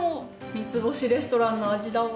三つ星レストランの味だわ。